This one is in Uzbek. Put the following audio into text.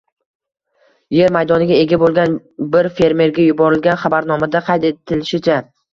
yer maydoniga ega bo‘lgan bir fermerga yuborilgan xabarnomada qayd etilishicha